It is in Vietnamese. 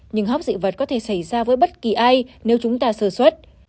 nhưng hóc dị vật có thể xảy ra với bất kỳ ai nếu chúng ta sơ xuất